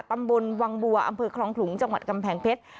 ตำบลวังบัวอำเภอคลองขลุงจังหวัดกำแพงเพชร